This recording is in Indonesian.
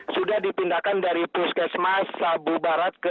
sudah dipindahkan dari puskesmas sabu barat ke